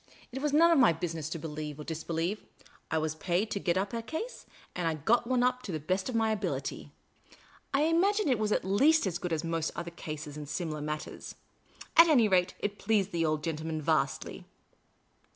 It was none of my bnsiness to believe or disbelieve ; I was paid to get up a case, and I got one up to the best of my ability. I imagine it was at least as good as most other cases in similar matters ; at any rate, it pleased the old gentleman vastly.